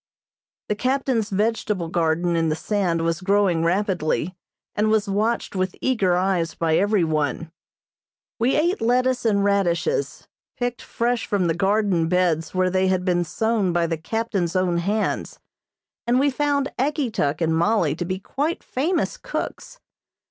The captain's vegetable garden in the sand was growing rapidly, and was watched with eager eyes by everyone. We ate lettuce and radishes, picked fresh from the garden beds where they had been sown by the captain's own hands, and we found Ageetuk and Mollie to be quite famous cooks.